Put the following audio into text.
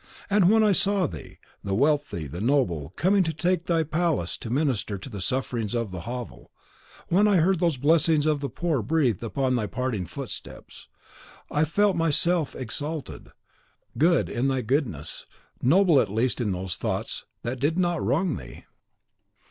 And when I saw thee, the wealthy, the noble, coming from thy palace to minister to the sufferings of the hovel, when I heard those blessings of the poor breathed upon thy parting footsteps, I felt my very self exalted, good in thy goodness, noble at least in those thoughts that did NOT wrong thee."